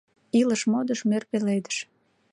Илыш-модыш, мӧр пеледыш —